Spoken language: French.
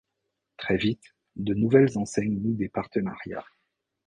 Très vite, de nouvelles enseignes nouent des partenariats.